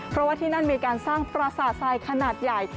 เพราะว่าที่นั่นมีการสร้างปราสาททรายขนาดใหญ่